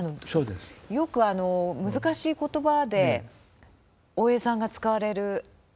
よく難しい言葉で大江さんが使われるうん。